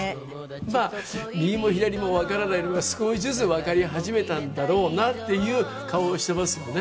まあ右も左もわからないのが少しずつわかり始めたんだろうなっていう顔をしてますよね。